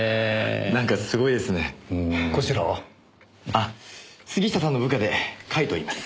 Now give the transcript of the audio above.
あっ杉下さんの部下で甲斐と言います。